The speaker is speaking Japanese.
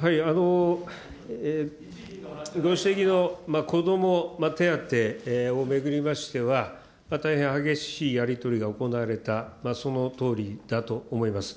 ご指摘の子ども手当を巡りましては、大変激しいやり取りが行われた、そのとおりだと思います。